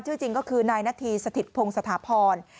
ชื่อจริงก็คือนายหน้าที่สถิตพงศ์สถาพร